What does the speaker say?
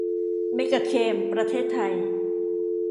เมกาเคม ประเทศไทย